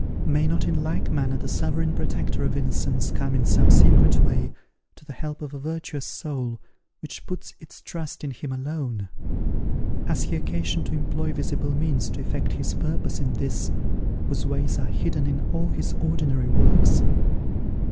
May not in like manner the Sovereign Protector of innocence come in some secret way, to the help of a virtuous soul, which puts its trust in Him alone? Has He occasion to employ visible means to effect His purpose in this, whose ways are hidden in all His ordinary works?